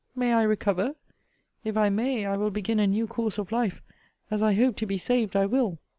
May I recover? If I may, I will begin a new course of life: as I hope to be saved, I will.